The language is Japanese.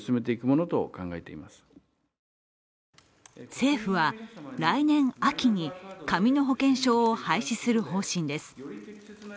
政府は、来年秋に紙の保険証を廃止する方針です。